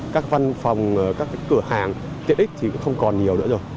các văn phòng các cửa hàng tiện ích thì cũng không còn nhiều nữa rồi